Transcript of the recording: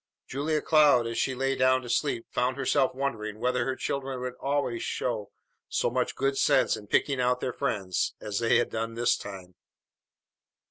Julia Cloud as she lay down to sleep found herself wondering whether her children would always show so much good sense in picking out their friends as they had done this time.